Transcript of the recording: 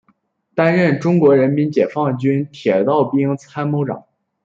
曾任中国人民解放军铁道兵参谋长。